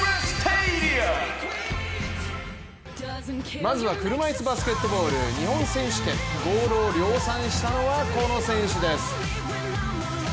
まずは車いすバスケットボール日本選手権、ゴールを量産したのはこの選手です。